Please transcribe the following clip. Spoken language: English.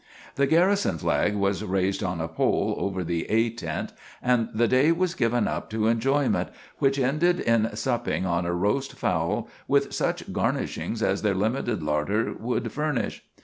The garrison flag was raised on a pole over the "A" tent, and the day was given up to enjoyment, which ended in supping on a roast fowl, with such garnishings as their limited larder would furnish.